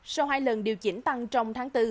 sau hai lần điều chỉnh tăng trong tháng bốn